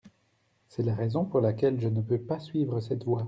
C’est la raison pour laquelle je ne peux pas suivre cette voie.